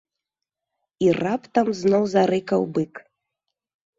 І раптам зноў зарыкаў бык.